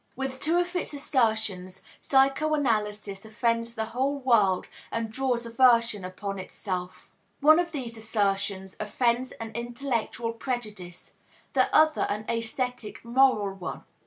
With two of its assertions, psychoanalysis offends the whole world and draws aversion upon itself. One of these assertions offends an intellectual prejudice, the other an aesthetic moral one.